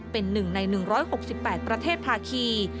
๑๖๘ประเทศภาคี